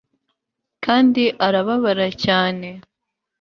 Kandi arababara cyane